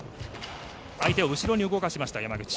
相手を後ろに動かしました山口。